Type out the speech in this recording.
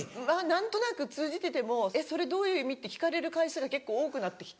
何となく通じててもそれどういう意味？って聞かれる回数が結構多くなってきて。